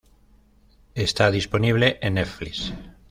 Esta disponible en netflix.